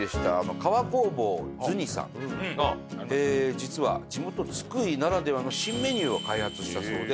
「実は地元津久井ならではの新メニューを開発したそうで」